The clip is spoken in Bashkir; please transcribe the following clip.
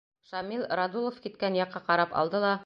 Шамил Радулов киткән яҡҡа ҡарап алды ла: